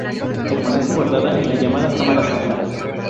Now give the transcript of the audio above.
Permanece guardada en la llamada Cámara Santa.